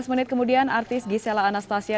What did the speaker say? lima belas menit kemudian artis gisela anastasia